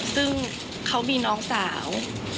ซึ่งเขามีน้องสาว